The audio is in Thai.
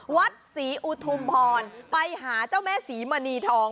วัดศรีอุทุมพรไปหาเจ้าแม่ศรีมณีทอง